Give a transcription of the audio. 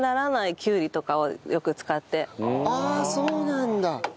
傷んでああそうなんだ。